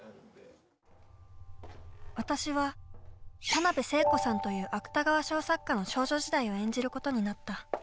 私は田辺聖子さんという芥川賞作家の少女時代を演じることになった。